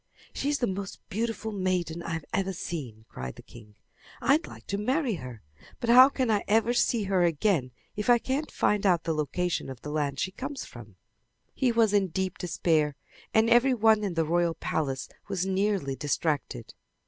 "She is the most beautiful maiden I have ever seen!" cried the king. "I'd like to marry her, but how can I ever see her again if I can't find out the location of the land she comes from!" He was in deep despair, and every one in the royal palace was nearly distracted.